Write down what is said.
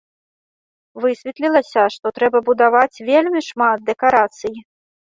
Высветлілася, што трэба будаваць вельмі шмат дэкарацый.